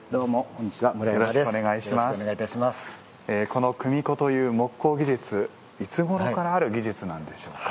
この組子という木工技術いつごろからある技術なんでしょうか？